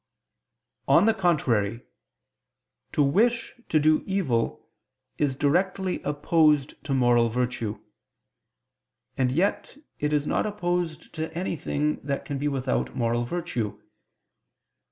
On the contrary, To wish to do evil is directly opposed to moral virtue; and yet it is not opposed to anything that can be without moral virtue.